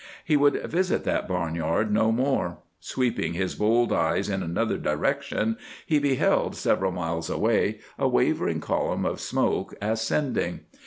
He would visit that barnyard no more. Sweeping his bold eyes in another direction, he beheld, several miles away, a wavering column of smoke ascending.